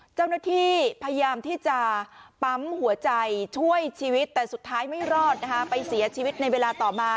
เจ้าหน้าที่พยายามที่จะปั๊มหัวใจช่วยชีวิตแต่สุดท้ายไม่รอดนะคะไปเสียชีวิตในเวลาต่อมา